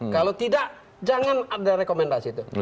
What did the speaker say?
kalau tidak jangan ada rekomendasi itu